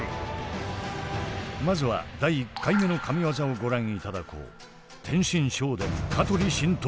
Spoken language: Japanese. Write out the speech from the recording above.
まずは第１回目の神技をご覧頂こう。